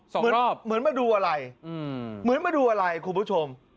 เหมือนมาดูอะไรเหมือนมาดูอะไรคุณผู้ชม